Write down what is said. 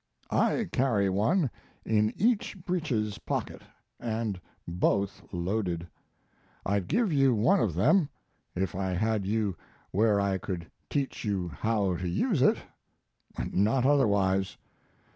I carry one in each breeches pocket, and both loaded. I'd give you one of them if I had you where I could teach you how to use it not otherwise.